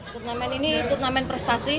turnamen ini turnamen prestasi